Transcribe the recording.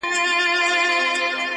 ته راته وعده خپل د کرم راکه،